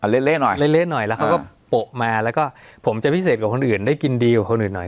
เละหน่อยเละหน่อยแล้วเขาก็โปะมาแล้วก็ผมจะพิเศษกว่าคนอื่นได้กินดีกว่าคนอื่นหน่อย